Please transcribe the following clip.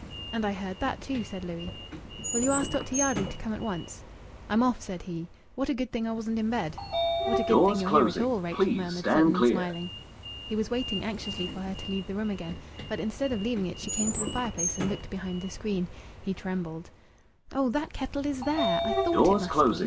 "And I heard that too," said Louis. "Will you ask Dr. Yardley to come at once?" "I'm off," said he. "What a good thing I wasn't in bed!" "What a good thing you're here at all!" Rachel murmured, suddenly smiling. He was waiting anxiously for her to leave the room again. But instead of leaving it she came to the fireplace and looked behind the screen. He trembled. "Oh! That kettle is there! I thought it must be!"